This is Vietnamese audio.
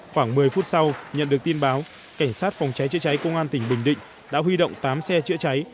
khoảng một mươi phút sau nhận được tin báo cảnh sát phòng cháy chữa cháy công an tỉnh bình định đã huy động tám xe chữa cháy